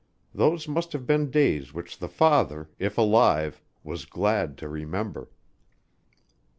Those must have been days which the father, if alive, was glad to remember.